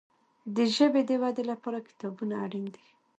د ژبي د ودي لپاره کتابونه اړین دي.